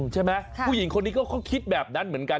ผู้หญิงคนนี้เขาก็คิดแบบนั้นเหมือนกัน